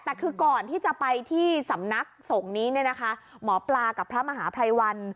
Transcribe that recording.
แต่คือก่อนที่จะไปที่สำนักสงฆ์นี้เนี่ยนะคะหมอปลากับพระมหาภัยวัน